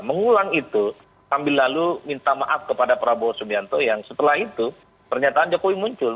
mengulang itu sambil lalu minta maaf kepada prabowo subianto yang setelah itu pernyataan jokowi muncul